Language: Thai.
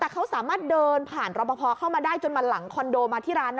แต่เขาสามารถเดินผ่านรอปภเข้ามาได้จนมาหลังคอนโดมาที่ร้าน